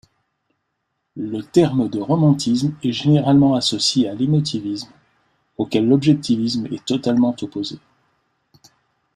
Le terme de romantisme est généralement associé à l'émotivisme auquel l'objectivisme est totalement opposé.